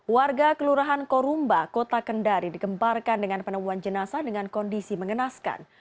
warga kelurahan korumba kota kendari dikembarkan dengan penemuan jenazah dengan kondisi mengenaskan